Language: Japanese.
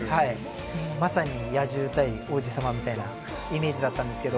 まさに野獣対王子様みたいなイメージだったんですけど。